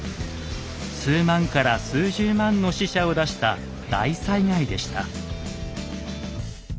数万人から数十万の死者を出した大災害でした。